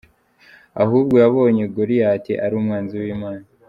Ahubwo yabonye Goliath ari umwanzi w’Imana.